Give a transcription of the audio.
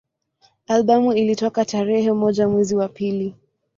Albamu ilitoka tarehe moja mwezi wa pili